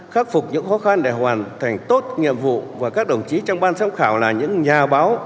khắc phục những khó khăn để hoàn thành tốt nhiệm vụ và các đồng chí trong ban giám khảo là những nhà báo